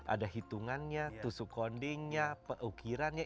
ada hitungannya tusuk condingnya ukirannya